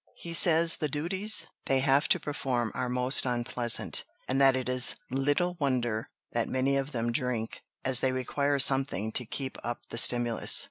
He says the duties they have to perform are most unpleasant, and that it is little wonder that many of them drink, as they require something to keep up the stimulus."